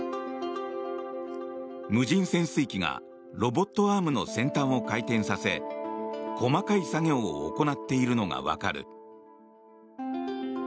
無人潜水機がロボットアームの先端を回転させ細かい作業を行っているのがわかる。